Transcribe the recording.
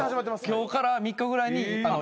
今日から３日後ぐらいに１回戦。